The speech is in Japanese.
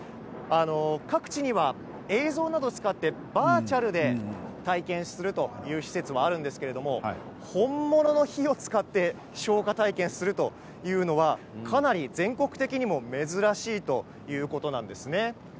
各地には映像などを使ってバーチャルで体験するという施設もあるんですけれど本物の火を使って消火体験するというのはかなり全国的にも珍しいということなんですね。